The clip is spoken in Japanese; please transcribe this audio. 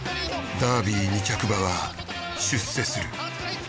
ダービー２着馬は出世する。